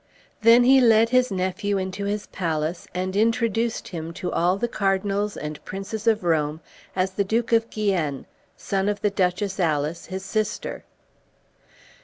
Then he led his nephew into his palace, and introduced him to all the Cardinals and Princes of Rome as the Duke of Guienne, son of the Duchess Alice, his sister.